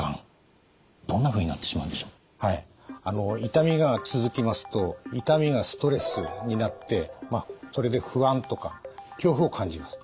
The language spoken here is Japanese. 痛みが続きますと痛みがストレスになってそれで不安とか恐怖を感じます。